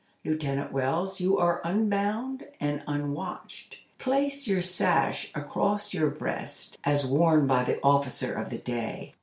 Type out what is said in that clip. Lieutenant Wells, you are unbound and unwatched. Place your sash across your breast, as worn by the officer of the day.